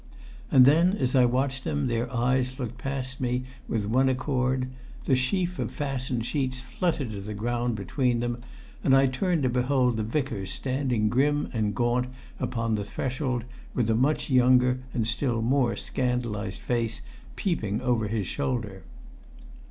And then as I watched them their eyes looked past me with one accord; the sheaf of fastened sheets fluttered to the ground between them; and I turned to behold the Vicar standing grim and gaunt upon the threshold, with a much younger and still more scandalised face peeping over his shoulder.